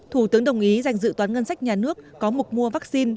thủ tướng đồng ý dành dự toán ngân sách nhà nước có mục mua vaccine